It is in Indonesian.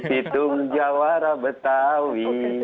titung jawara betawi